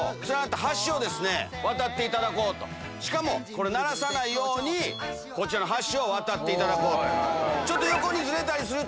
これ鳴らさないようにこちらの橋を渡っていただこうと。